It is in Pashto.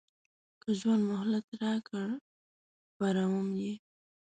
که ژوند مهلت راکړ خپروم یې.